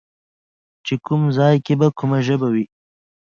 چې کوم ځای کې به کومه ژبه وي